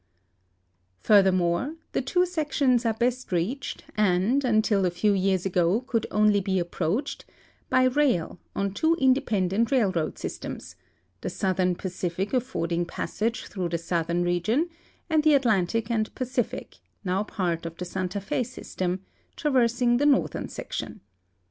Furthermore, the two sections are best reached, and until a few years ago could only be approached, by rail on two inde pendent railroad systems — the Southern Pacific affording pas sage through the southern section and the Atlantic and Pacific (now part of the Santa Fe system) traversing the northern sec tion.